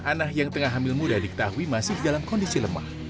anah yang tengah hamil muda diketahui masih dalam kondisi lemah